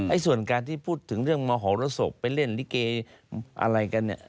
ส่วนการที่พูดถึงเรื่องมหรสบไปเล่นลิเกอะไรกันเนี่ย